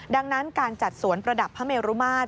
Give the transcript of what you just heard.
ดังนั้นการจัดสวนประดับพระเมรุมาตร